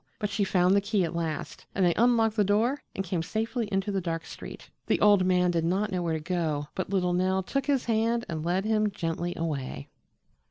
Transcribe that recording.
But she found the key at last, and they unlocked the door and came safely into the dark street. The old man did not know where to go, but little Nell took his hand and led him gently away.